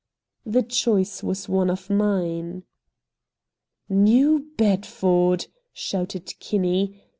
The choice was one of mine. "New Bedford!" shouted Kinney.